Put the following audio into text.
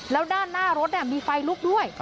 แล้วด้านหน้ารถมีไฟลุกด้วย